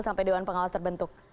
sampai dewan pengawas terbentuk